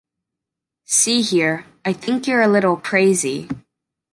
See here — I think you're a little crazy!